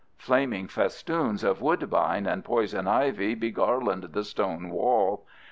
Flaming festoons of woodbine and poison ivy begarland the stone wall.